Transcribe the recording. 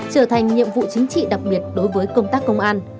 trở thành nhiệm vụ chính trị đặc biệt đối với công tác công an